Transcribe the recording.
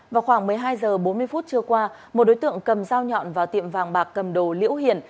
vào khoảng một mươi hai h bốn mươi phút trưa qua một đối tượng cầm dao nhọn vào tiệm vàng bạc cầm đồ liễu hiền